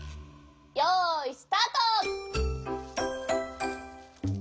よいスタート！